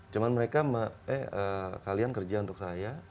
cuma mereka eh kalian kerja untuk saya